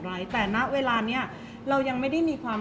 เพราะว่าสิ่งเหล่านี้มันเป็นสิ่งที่ไม่มีพยาน